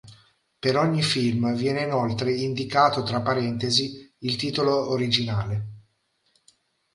Per ogni film viene inoltre indicato tra parentesi il titolo originale.